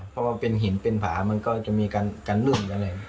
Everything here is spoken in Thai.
เพราะว่าเป็นหินเป็นผามันก็จะมีกันรุ่น